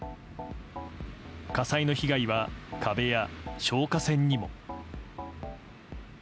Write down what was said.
火災の被害は、壁や消火栓にも。